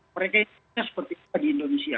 mereka seperti apa di indonesia